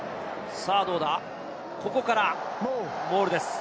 ここからモールです。